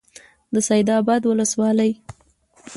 د سید آباد ولسوالۍ